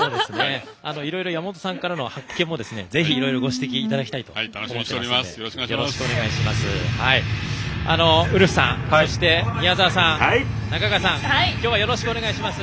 いろいろ山本さんからの発見もぜひ、いろいろご指摘をいただきたいと思っていますのでよろしくお願いします。